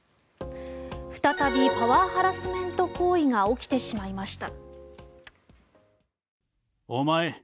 再びパワーハラスメント行為が起きてしまいました。